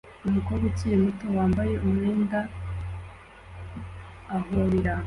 Umukobwa ukiri muto wambaye umwenda ahobera